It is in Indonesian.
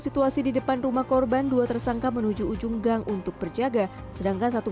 situasi di depan rumah korban dua tersangka menuju ujung gang untuk berjaga sedangkan satu